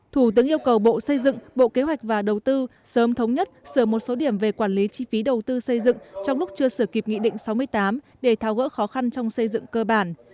thủ tướng yêu cầu bộ xây dựng bộ kế hoạch và đầu tư sớm thống nhất sửa một số điểm về quản lý chi phí đầu tư xây dựng trong lúc chưa sửa kịp nghị định sáu mươi tám để tháo gỡ khó khăn trong xây dựng cơ bản